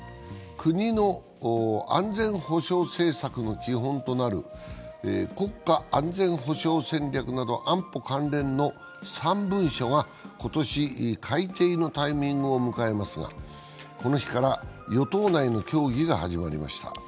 国の安全保障政策の基本となる国家安全保障戦略など安保関連の３文書が今年改訂のタイミングを迎えますがこの日から与党内の協議が始まりました。